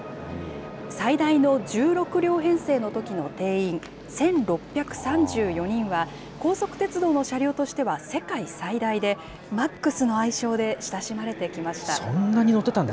最大の１６両編成のときの定員１６３４人は、高速鉄道の車両としては世界最大で、Ｍａｘの愛称で親しまれてきました。